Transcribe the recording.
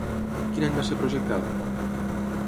Quin any va ser projectada?